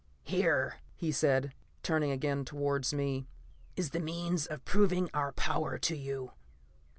"Here," he said, turning again towards me, "is the means of proving our power to you.